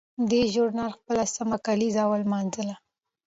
دې ژورنال خپله سلمه کالیزه ولمانځله.